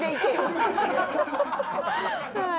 はい。